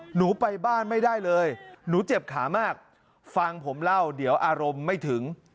หนูไปบ้านไม่ได้เลยหนูเจ็บขามากฟังผมเล่าเดี๋ยวอารมณ์ไม่ถึง